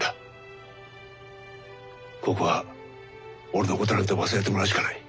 ここは俺のことなんて忘れてもらうしかない。